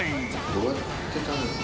どうやって食べるの？